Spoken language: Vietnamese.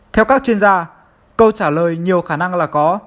theo các chuyên gia câu trả lời nhiều khả năng là có